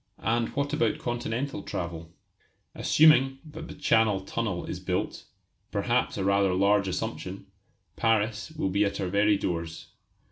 And what about continental travel? Assuming that the Channel Tunnel is built perhaps a rather large assumption Paris will be at our very doors.